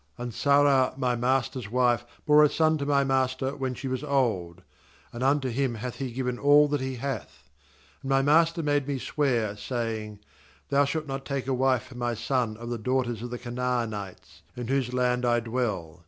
^And Sarah my master's wife bore a son to my master when she was old; and unto bvm hath he given all that he hath. 37Aiid my master made me swear, saying: Thou shalt not take a wife for my son of the daughters of the Canaanites, in whose land I dwell.